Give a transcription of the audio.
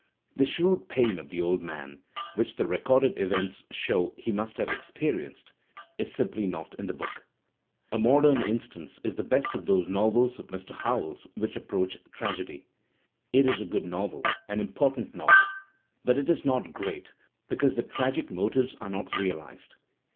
The shrewd pain of the old man, which the recorded events show he must have experienced, is simply not in the book. "A Modem Instance" is the best of those novels of Mr. Howells which approach tragedy. It is a good novel, an Digitized by Google HOWELLS 287 I important novel, but it is not great because the tragic! motives are not realized.